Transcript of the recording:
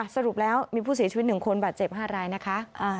สรุปแล้วมีผู้เสียชีวิต๑คนบาดเจ็บ๕รายนะคะ